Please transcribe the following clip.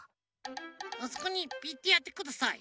あそこにピッてやってください。